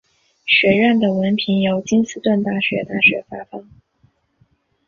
学院的文凭由金斯顿大学大学发放。